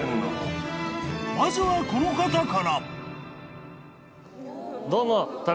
［まずはこの方から］